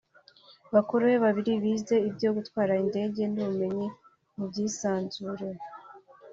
bakuru be babiri bize ibyo gutwara indege n’ubumenyi mu by’isanzure